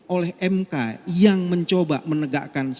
oleh mk yang mencoba menegakkan